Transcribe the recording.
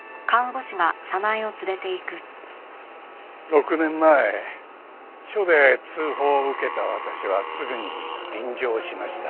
６年前署で通報を受けた私はすぐに臨場しました。